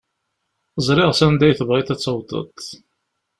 Ẓriɣ s anda i tebɣiḍ ad tawḍeḍ.